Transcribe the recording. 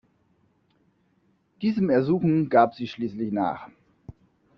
Diesem Ersuchen gab sie schließlich nach.